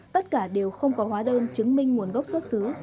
tất cả đều không có hóa đơn chứng minh nguồn gốc xuất xứ